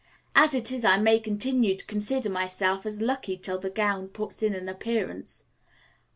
"As it is, I may continue to consider myself as lucky till the gown puts in an appearance.